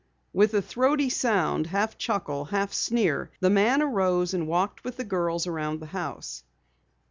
With a throaty sound, half chuckle, half sneer, the man arose and walked with the girls around the house.